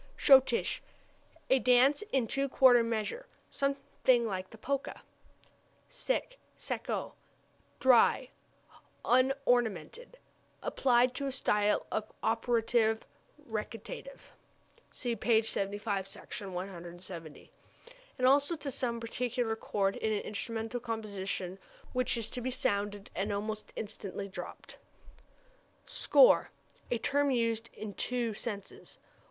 Schottische a dance in two quarter measure, something like the polka. Sec, secco dry, unornamented: applied to a style of opera recitative (see p. 75, Sec. 170), and also to some particular chord in an instrumental composition which is to be sounded and almost instantly dropped. Score a term used in two senses: 1.